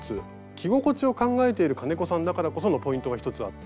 着心地を考えている金子さんだからこそのポイントが一つあって。